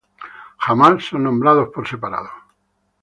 Jamás son nombrados por separado.